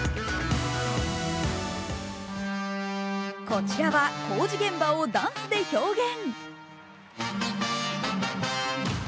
こちらは工事現場をダンスで表現。